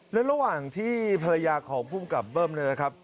และระหว่างที่เสิร์ธภรยาของผู้ปับเปิ้มนะครับ